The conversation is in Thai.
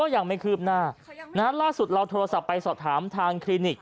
ยังไม่คืบหน้าล่าสุดเราโทรศัพท์ไปสอบถามทางคลินิก